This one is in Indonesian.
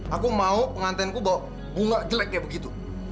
aku mau pengantinku bawa bunga jelek kayak begitu